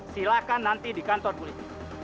silahkan nanti di kantor kulit